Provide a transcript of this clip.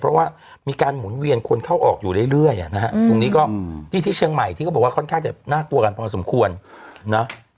เพราะว่ามีการหมุนเวียนคนเข้าออกอยู่เรื่อยนะฮะตรงนี้ก็ที่ที่เชียงใหม่ที่เขาบอกว่าค่อนข้างจะน่ากลัวกันพอสมควรนะ